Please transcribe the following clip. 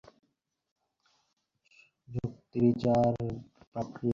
ধর্ম যুক্তিবিচারের পারে, ধর্ম অতি-প্রাকৃত।